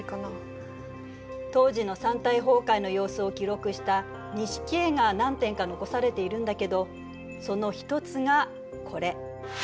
当時の山体崩壊の様子を記録した錦絵が何点か残されているんだけどその一つがこれ。